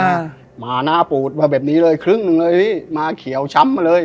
อ่ามาหน้าปูดมาแบบนี้เลยครึ่งหนึ่งเลยพี่มาเขียวช้ำมาเลย